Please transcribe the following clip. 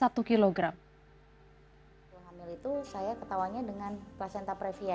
ibu hamil itu saya ketawanya dengan placenta previa